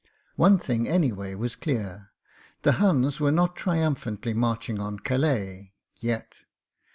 One thing, anyway, was dear: the Huns were not triumphantly marching on Calais — yet.